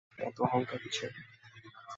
এত অহংকার কিসের?